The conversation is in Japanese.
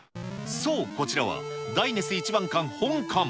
そう、こちらはダイネス壱番館本館。